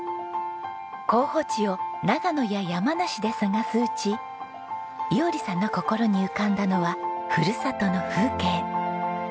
候補地を長野や山梨で探すうち衣織さんの心に浮かんだのはふるさとの風景。